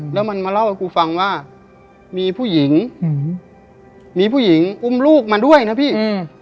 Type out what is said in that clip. แล้วมันมาเล่าให้กูฟังว่ามีผู้หญิงอืมมีผู้หญิงอุ้มลูกมาด้วยนะพี่อืม